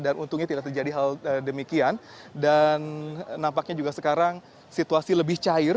dan untungnya tidak terjadi hal demikian dan nampaknya juga sekarang situasi lebih cair